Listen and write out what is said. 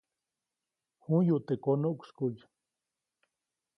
J̃uyuʼt teʼ konuʼkskuʼy.